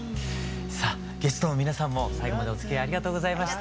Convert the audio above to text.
さあゲストの皆さんも最後までおつきあいありがとうございました。